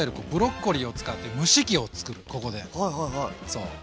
そう。